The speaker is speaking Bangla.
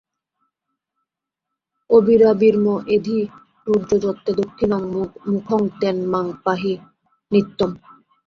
আবিরাবির্ম এধি, রুদ্র যত্তে দক্ষিণং মুখং তেন মাং পাহি নিত্যম্।